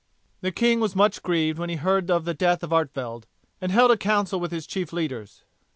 The king was much grieved when he heard of the death of Artevelde, and held a council with his chief leaders.